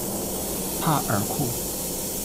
帕尔库。